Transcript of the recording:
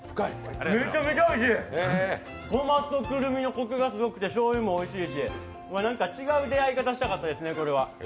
めちゃめちゃおいしいごまとくるみのコクがすごくてしょうゆもおいしいし、違う出会い方したかったですね。